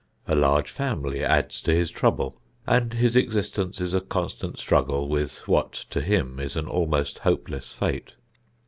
A large family adds to his trouble and his existence is a constant struggle with what, to him, is an almost hopeless fate.